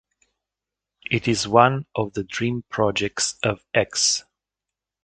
It is one of the dream projects of Ex.